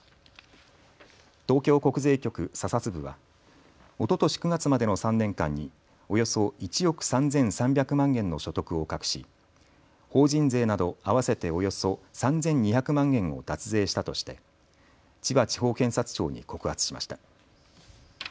東京国税局査察部はおととし９月までの３年間におよそ１億３３００万円の所得を隠し法人税など合わせておよそ３２００万円を脱税したとして千葉地方検察庁に告発しました。